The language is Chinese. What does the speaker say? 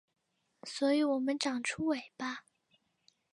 所以我们长出尾巴